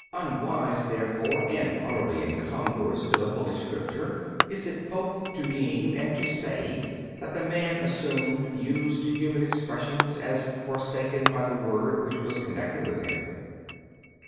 B. Unwise therefore and utterly incongruous to the holy Scriptures is it both to deem and to say that the man assumed used human expressions as forsaken by the Word which was connected with him.